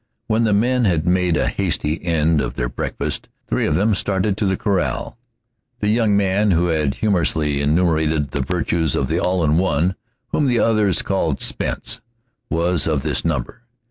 When the men had made a hasty end of their breakfast three of them started to the corral. The young man who had humorously enumerated the virtues of the All in One, whom the others called Spence, was of this number.